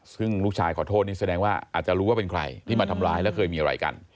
ซึ่งลูกชายขอโทษนี่แสดงว่าอาจจะรู้ว่าเป็นใครที่มาทำร้ายแล้วเคยมีอะไรกัน